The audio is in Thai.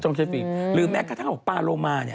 ต้องใช้ฟิงหรือแม้กระทั่งของปลารม่า